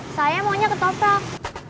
saya maunya ketoprak